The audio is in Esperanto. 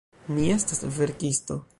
Mi estas verkisto.